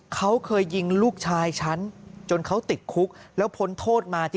เขาเคยยิงลูกชายฉันจนเขาติดคุกแล้วพ้นโทษมา